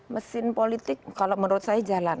mesin politik kalau menurut saya jalan